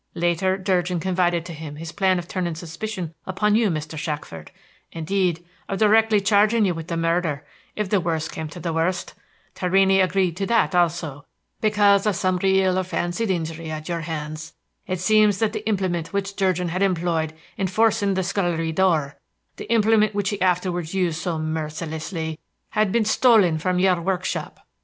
Later Durgin confided to him his plan of turning suspicion upon you, Mr. Shackford; indeed, of directly charging you with the murder, if the worst came to the worst. Torrini agreed to that also, because of some real or fancied injury at your hands. It seems that the implement which Durgin had employed in forcing the scullery door the implement which he afterwards used so mercilessly had been stolen from your workshop.